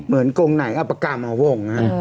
เหมือนกงไหนเอาปากกามาวงนะ